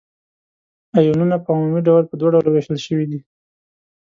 آیونونه په عمومي ډول په دوه ډلو ویشل شوي دي.